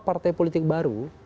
partai politik baru